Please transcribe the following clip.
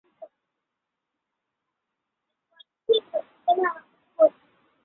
পুরস্কার চলচ্চিত্রটির সঙ্গীত পরিচালনা করেছেন সত্য সাহা।